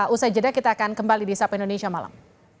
usai jeda kita akan kembali di sapa indonesia malam